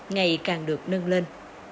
ngày càng được nâng lên